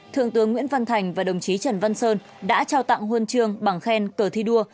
thượng tướng nguyễn văn thành và đồng chí trần văn sơn đã trao tặng huân chương bằng khen cờ thi đua